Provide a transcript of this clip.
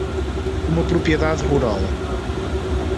Uma propriedade rural